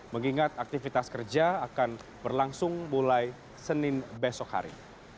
mengingat aktivitas kerja akan berlangsung mulai senin besok hari